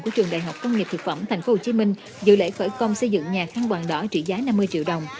của trường đại học công nghiệp thực phẩm tp hcm dự lễ khởi công xây dựng nhà thăng bằng đỏ trị giá năm mươi triệu đồng